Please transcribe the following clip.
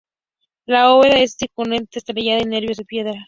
La bóveda es de crucería estrellada y nervios de piedra.